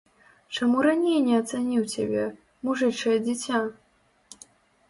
Чаму раней не ацаніў цябе, мужычае дзіця?